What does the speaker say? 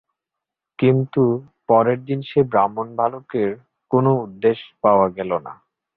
কিন্তু পরের দিন সেই ব্রাহ্মণবালকের কোনো উদ্দেশ পাওয়া গেল না।